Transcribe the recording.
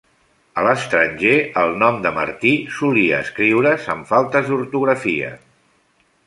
A l'estranger, el nom de Martí solia escriure's amb faltes d'ortografia.